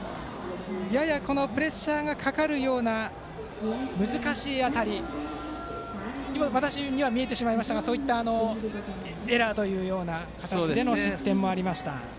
ややプレッシャーがかかるような難しい当たりという形には見えてしまいましたがエラーというような形での失点もありました。